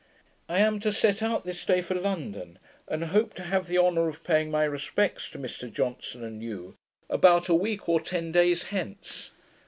I am to set out this day for London, and hope to have the honour of paying my respects to Mr Johnson and you, about a week or ten days hence.